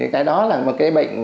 cái đó là một cái bệnh